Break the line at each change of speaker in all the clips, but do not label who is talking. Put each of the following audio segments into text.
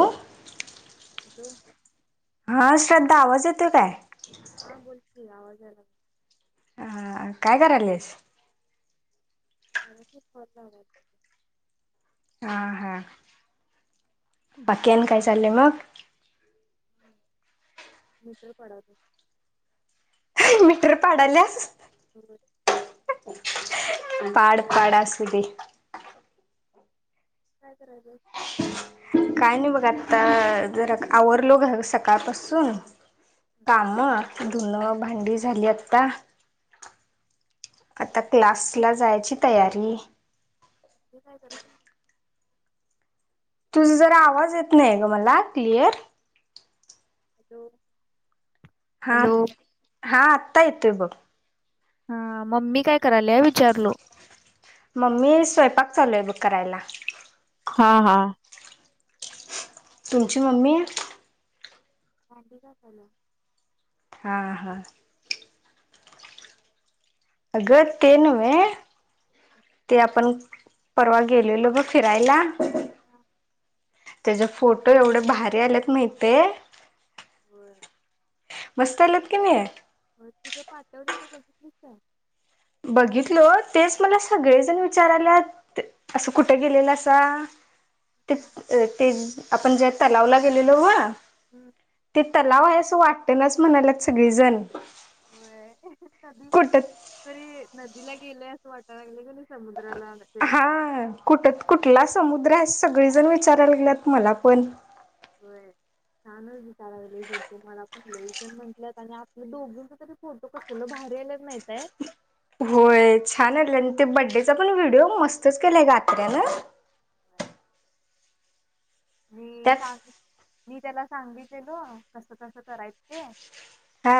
हो
को
हा श्रद्धा आवाज येतोय काय
हा बोलकि आवाज आला
ह काय करायलस
ह खूप पला वा
हा हा बाकी आणि काय चाललंय मग
मीितर पडा त
मीटर पाडल्यास
हो
पाड पाडा असुदे
तू काय करायलीस
काय नाही बघ आता जरा आवरलो घर सकाळपासून काम धुन भांडी झाली आता आता
मम्मी
क्लास ला जायची तयारी
काय करायल
तुझ जरा आवाज येत नाही ग मला क्लिअर
आो
हा हा आतायत येतोय बघ
हा मम्मी काय करायल या विचारलो
मम्मी स्वयंपाक चालू आहे बघ करायला
हा हा
तुमची मम्मी
भांडी घासाल्या
हा हा अ ग ते नव्हे ते आपण परवा गेलेलो बघ फिरायला
हा
त्याच्या फोटो एवढे भारी आल्यात माहितीय
बर
मस्त आलेत की नाही आहे
होय तुझं पाठवलेलं बघितलीस काय
बघितल तेच मला सगळेजण विचार आल्यात असं कुठे गेलेलं असा ते ते आपण जे तलावला गेलेलो
हम्म
ते तलाव आहे अस वाटत नाच म्हणाला सगळेजण
होयध तरी नदीला गेलंय असं वाटायला लागलं ग
हा कुठत कुठला समुद्र अस सगळीजण विचारायला गेल्यात मला पण
नानच विचारले जर ते मला पण लईजण म्हटल्यात आणि आपल्या दोघीचा तरी फोटो कसल भारी भारी आल्यात माहित आहे
होय छान झालं ते बड्डेचा पण व्हिडिओ मस्तच केलाय गात्र्यान
मी
त्यात
सांग मी त्याला सांगितितलो कसं कसं करायच ते
हा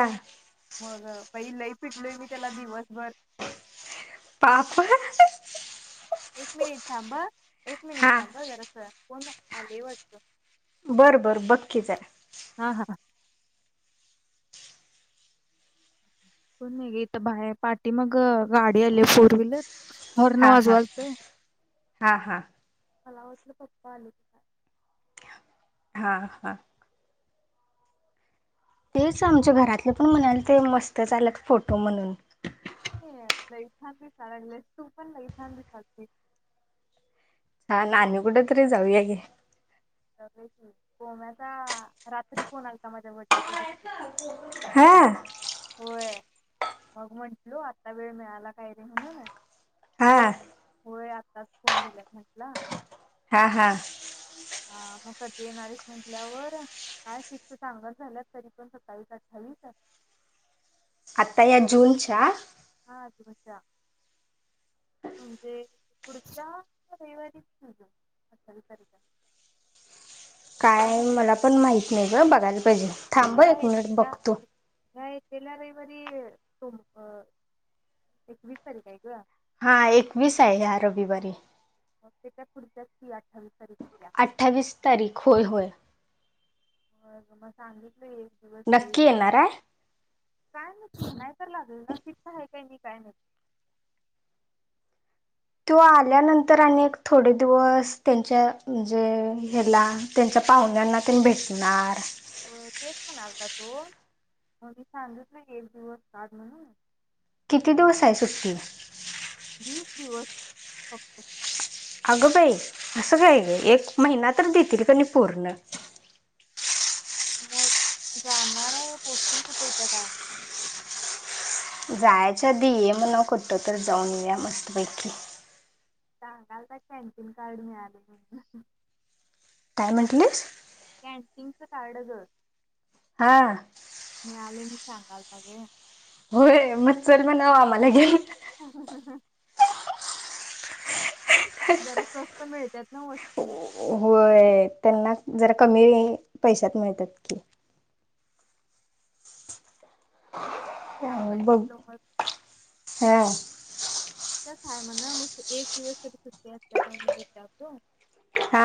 मग पहि लई पिडलोय मी त्याला दिवसभर
पाप
एक एक मनिट थांब ह जरासं एक मनिट
हा
थांब कोण आले वाटतं
बरं बरं बक्की जरा
हा हा कोण नाही गे इथ बाहेर पाठीी मग गाडी आली फोर व्हीलर हॉर्न
हा हा
वाजवालत
हा हा
मला वाटलं पप्पा आलवत काल
हा अहा तेच आमच्या घरातले पण म्हणाल ते मस्तच आलेत फोटो म्हणून
लई छान दिसाय लागलेस तू पण लई छान दिसालतीस
हा ना आणि कुठ तरी जाऊया की
[unintelligible] सोम्याचा रात्री फोन आलता माझ्या बड्डेच्या दिवशी
हम्म
होय मग म्हंटलो आता वेळ मिळाला काय रे म्हणून
हा
होय आत्ताच फोन दिल्यात म्हटला
हा हा
ह मग कधी येणारेस म्हटल्यावर काय फिक्स सांगना झाल्यात तरी पण सत्तावीस अठ्ठावीस
आत्ता ह्या जूनच्या
हा तुमच्या म्हणजे पुढच्या रविवारी [inaudible] असल सत्तावीस तारीख [unintelligible] त्या
काय
नव
मला पण माहित नाही ग बघायला पाहिजे थांब हा एक मिनिट बघतो
नाही गेल्या रविवारी सोम-अं एकवीस तारीख आहे ग
हा एकवीस आहे ह्या रविवारी
मग तेच्या पुढच्या [unintelligible]
अठ्ठावीस तारीख होय होय
हो म मग सांगित
नक्की येणार आहे
काय नक्की नाही तर लागल ना फिक्स आहे काय मी काय नाही
त्यो आल्यानंतर आणि एक थोडे दिवस त्यांच्या म्हणजे हेला त्यांच्या पाहुण्यांना तेन भेटणार
व्हय तेच म्हणालतात हो मग मी सांगितलय की एक दिवस आड म्हणून
किती दिवस आहे सुट्टी
वीस दिवस फक्त
अगं बाई असं काय ग एक महिना तर देतील का नाही पूर्ण
मग जाणार आहे पोस्टिंग कुठे होत्या काय
जायच्याधी ये म्हणावं कुठ तर जाऊन येऊया मस्तपैकी
सांगालता कॅन्टीन कार्ड मिळाले म्हणून
काय म्हंटलीस
कॅन्टीन च कार्ड गं
हा
मी आले म्हणून सांगलता गं
होय मग चल म्हणावं आम्हाला घेऊन
हा हा हा हा जरा स्वस्त मिळत्यात ना वस्तू
होय त्यांना जरा कमी पैशात मिळत्यात की
चांगला आहे
बघु
म्हटलं मग
हा
तो काय म्हणं मग ते दिवस तरी सुट्टी असत्या का नाही विचारतो
हा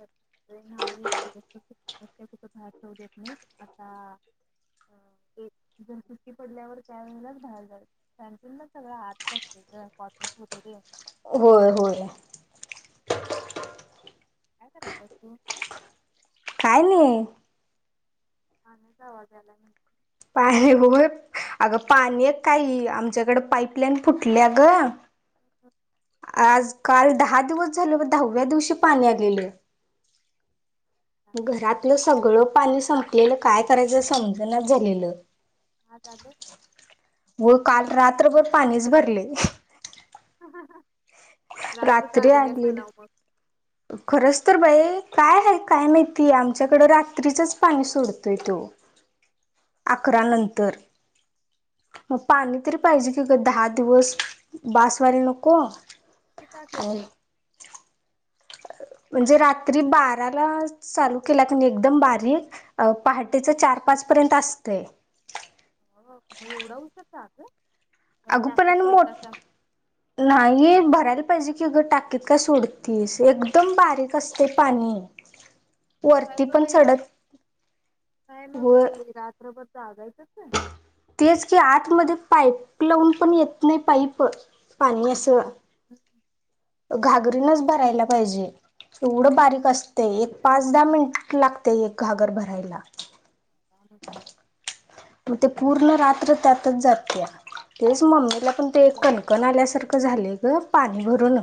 [inaudible] नाही एक दिवस तरी नसत्या अन कुठं बाहेर जाऊ देत मीच आता अ एक जन सुट्टी पडल्यावर त्या वेळेलाच बाहेर जायचं कॅन्टीनला च सगळं आत करते गं कॉल तर कट होऊदे
होय होय
काय कराल्यास तू
काय नाही
पाण्याचा आवाज यालाय म्ह
पाणी होय अगं पाणी आहे काही आमच्याकडे पाईपलाईन फुटल्या ग आज काल दहा दिवस झाल दहाव्या दिवशी पाणी आलेलं घरातलं सगळं पाणी संपलेलं काय करायचं समजणाच झालेलं
आज आले
व काल रात्रभर पाणीच भरलय [inaudible]
रात्र जागल्यास मनाव
आलेलं
मग
खरंच तर बाई काय आहे काय माहितीय? आमच्याकडं रात्रीचच पाणी सोडतोय त्यो. अकरा नंतर मग पाणी तरी पाहिजे की ग दहा दिवस बास व्हायला नको?
किती तास
आणि
येतय?
म्हणजे रात्री बाराला चालू केला कणी एकदम बारीक पहाटेच च चार पाच पर्यंत असतय [inaudible]
हो मग एवढा उशीर जाग.?
अग पण
टाकीत
आणि
सोडतात
मोठ- नाही भरायला पाहिजे होय कि अगं टाकीत काय सोडतीस एकदम बारीक असतय पाणी [inaudible]
काय
वरती
ग
पण
बाई रात
चढत
काय मग
व
बाई रात्रभर जागायचचं
[inaudible] तेच की आतमध्ये पाईप लावून पण येत नाही पाईप.. पाणी असं घागरीनच भरायला पाहिजे. एवढं बारीक असतय एक पाच दहा- मिनिट लागतय एक घागर भरायला.
ान [unintelligible]
मग ते पूर्ण रात्र [inaudible] त्यातच जाते तेच मम्मीला पण ते कणकण आल्यासारखं झाले ग पाणी भरून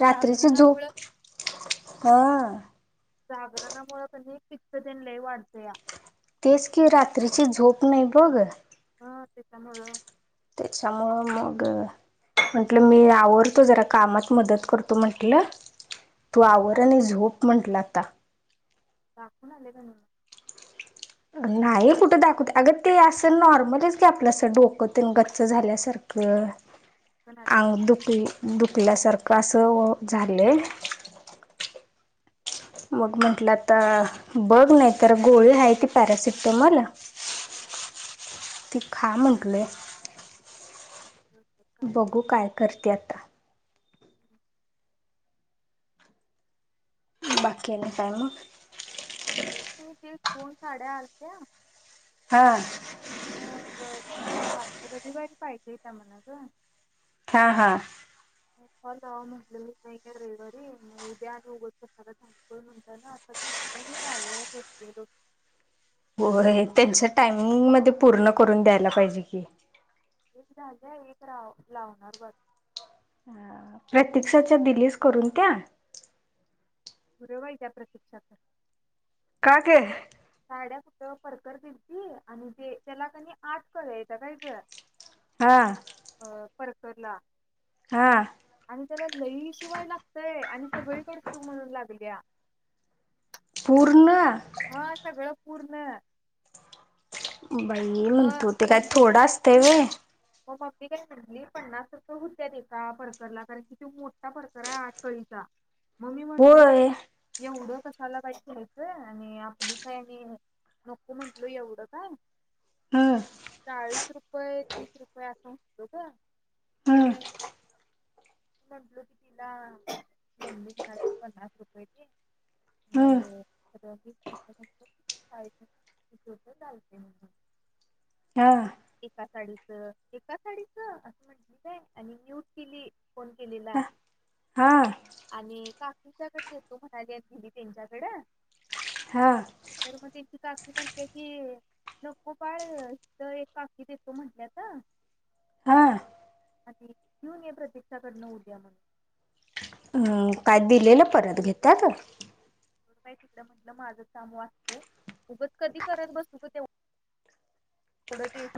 रात्रीची
जागरणामुळे
झोप हा [inaudible]
जागरणामुळे कणी पित्त तेन लय वाढतंया
तेच की रात्रीची झोप नाही बघ
ह त्याच्यामुळं
त्याच्यामुळं मग म्हंटलं [inaudible] मी आवरतो जरा कामात मदत करतो म्हटलं तू आवर
दा-
आणि झोप म्हटल आता
दाखवून आल्या का नाही?
[inaudible] नाही कुठं दाखवते अगं ते असं नॉर्मलच घे आपलं असं डोकंत गच्च झाल्यासारखं
पण आल्या
आंगदुखी दुखल्यासारखं असं झालंय [inaudible] मग [inaudible] म्हंटलं आता बघ नाही तर गोळी आहे ती पॅरासिटेमल
[inaudible]
ती खा म्हटलोय [inaudible]
काय
बघू काय करत्या आता बाकी आणि काय मग? [inaudible]
ह ते तेच दोन साड्या आलत्या
हा
अ बर त्या रविवारी पाहिजे त्या म्हण ग..
हा- हा
फाॅल लावावं म्हटलेलो नाही काय रविवारी मग उद्या आणि उगाच कशाला धावपळ म्हणताना कधी हुक्क मी लावत बसलेलो
होय त्यांच्या टाइमिंग मध्ये पूर्ण करून द्यायला पाहिजे कि [inaudible]
एक झाले एक राव -लावणार बघ
अ प्रतीकक्षाच्या दिलीस करून त्या?
फुर बाई त्या प्रतीक्षाच
का ग
साड्या कुठं परकर दिलती आणि ते त्याला की नाय आठ कळ्या हायत्ता काय ग
हा [inaudible]
अ, परकरला
हा
आणि त्याला लई शिवाय लागतय आणि सगळीकड शिव म्हणून लागल्या
पूर्ण
हा सगळं पूर्ण
बाई
मग
म्हणतो ते काय
मम्मी
थोडं असतंय
म्हणाली
वय
मग मम्मी काय म्हणली पन्नास रुपय होत्यातिका फरकरला कारण कि तो मोठा फरकर आहे आठ कळीचा म मी म्हंटलो
होय
आता एवढं कशाला काय घ्यायचं आणि आपली काय आणि नको म्हंटलो एवढं काय
हम्म
चाळीस रुपये तीस रुपये असं होतो ग
हम्म
तर म्हंटलो की तिला मम्मी घेणार होती पन्नास रुपयची हो
हम्म
हो [unintelligible]
हा
एका साईड एका साडीच असं म्हटली काय आणि घेउन केली फोन केलेला
हा
आणि का तिच्याकड देतो म्हणाली आणि दिली त्यांच्याकडं
हा
मग त्यांची काकी म्हणत्या की गोपाळथ एक काकी देतो म्हटल्यात
हा
घेऊन ये प्रतीक्षाकडनं उद्या मन
हम्म काय दिलेलं परत घेतात
तिकड म्हंटलं माझं काम वाचत उगच कधी करत बसू का ते [unintelligible] पुढं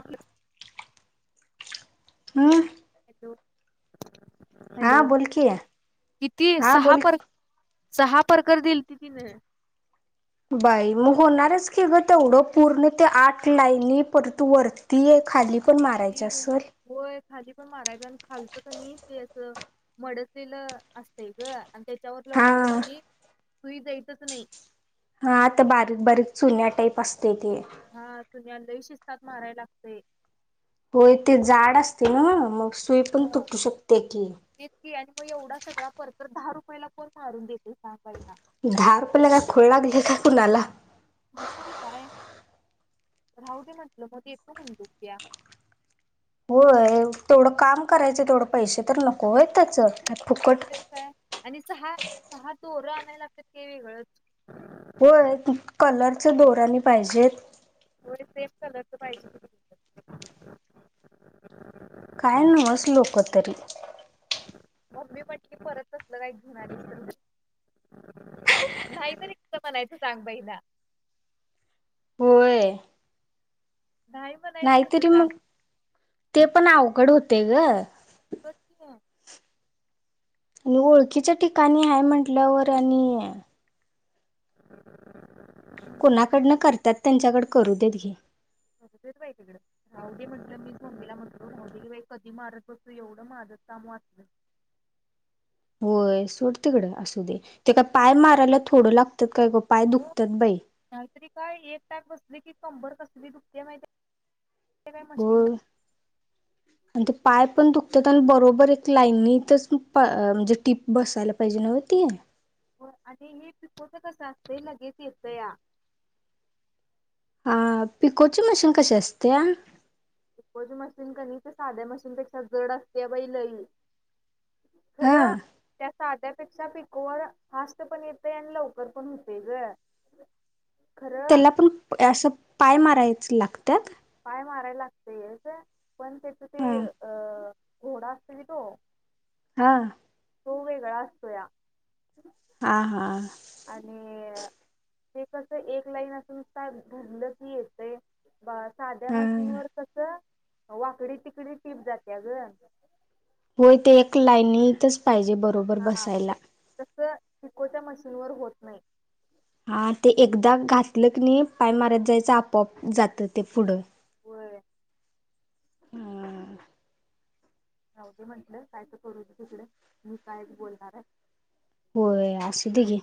[unintelligible] हा
हॅलो
बोल की
किती
हा
सहा
बोल
पर सहा परकर दिल ती तिने
बाई मग होणारच ख ग तेवढं पूर्ण ते आठ लाईन परतू वरती आहे खाली पण मारायच
खाली
असेल
होय खाली पण मारायच आणि खालचं का नाही ते अस मडसलेलं असतय गं आणि त्याच्यावर
हा
लवकर कि सुई जायेतच नाही.
हा आता बारीक बारीक चुन्या टाईप असते ते
हा पुण्यद लय शिस्तात माराय लागते
हो ते जाड असते ना मग सुई पण
हा
तुटू शकते की
तेेच की आणि मग एवढा सगळा परकर दहा रुपयाला पण कोण मारून देत
दहा रुपयाला काय खुळ लागलंय का कोणला
राहूं दे म्हटलं मग देतों म्हनं उद्या
होय, तेवड काम करायचं तेवडं पैसे तर नको होयत त्याच फुकट
काहीतरी काय आणि सहा सहा दोरं आणायला लागतात ते वेगळंच
होय कलरच दोराने पाहिजेत.
दोनी सेम कलरच पाहिजे. कि तिथं
काय न्हवस लोक तरी
मम्मी म्हंटली परत तसलं काय घेऊन आलीस तर बघ नाहीतरी कसं म्हणायचं सांग बाई हिला
व्हय
म्हणायचं कसं
नाहीतरी
सांग
मग ते पण अवघड होतय ग
पठया
आणि ओळखीच्या ठिकाणी हाय म्हंटल्यावर आणि
[unintelligible]
कोणाकडनं करतात त्यांच्याकड करू देत घे
हो दुर्वायतीड राहुदे म्हटलं मीच मम्मीला म्हटलो राहूदेकी बाई कधी मारत बसू एवढं माझच काम वाचलं
[inaudible] होय सोड तिकड असू दे ते काय पाय मारायला थोडं लागतात काय ग पाय दुखतात बाई
री काय एक टाक बसली की कंबर कसली दुखते माहितेय काय मशीन
होय आणि ते पाय पण दुख ते पण बरोबर एक लाईनीतच प म्हणजे टीप बसायला पाहिजे नव ती
आणि हे पिकोच कस असतय लगेच येतं या
हां हां पिकोची मशीन कशी असत्या
पिकोची मशीन कनी ते साध्या मशीन पेक्षा जड असते बाई लई
हा
खरं त्या साध्यात पेक्षा पिकोवर फास्ट पण येतंय आणि लवकर पण होते गं
त्याला पण असं पाय मारायचं लागतात
पाय माराय लागतयच पण तेच ते
हा
अ घोडा असते की तो
हां
तो वेगळा असतोया
हा हां
आणि ते कस एक लाईन असून [inaudible] धरलं की येतय बा साध्या
हा
मशीनवरर कस वाकडी तिकडी टीप जात्या गं
होय ते एक लाईनीतच पाहिजे बरोबर
हा
बसायला
तसं पिकोच्या मशीन वर होत नाही.
हा ते एकदा घातलं की नाही पाय मारत जायचं आपोआप जात ते पुढं.
होय
हम्म
राऊ दे म्हटलं काय तर करू दे तिकडे मी काय बोलणार आहे
हो असुदेे घे